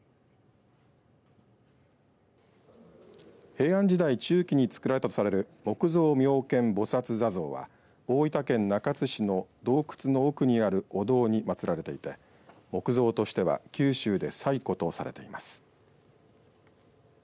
平安時代中期につくられたとされる木造妙見菩薩坐像は大分県中津市の洞窟の奥にあるお堂にまつられていて木造としては、九州で最古とされています。